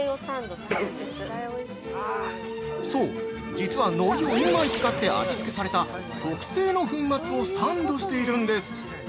◆そう、実は海苔を２枚使って味付けされた特製の粉末をサンドしているんです！